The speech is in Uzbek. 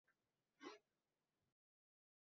Bu ertalabdan beri u surashi lozim bo`lgan asosiy gap edi